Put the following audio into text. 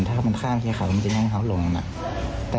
ถ้ามันข้ามเขาเขาเขาจะยังเขาลงน่ะน่ะ